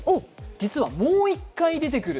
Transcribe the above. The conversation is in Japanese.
実はもう一回出てくる。